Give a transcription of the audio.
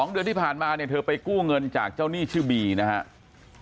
เดือนที่ผ่านมาเนี่ยเธอไปกู้เงินจากเจ้าหนี้ชื่อบีนะครับ